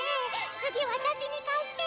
次私に貸して！